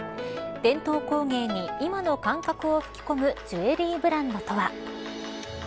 伝統工芸に今の感覚を吹き込むジュエリーブランドとは。